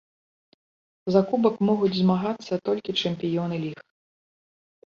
За кубак могуць змагацца толькі чэмпіёны ліг.